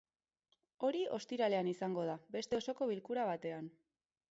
Hori ostiralean izango da, beste osoko bilkura batean.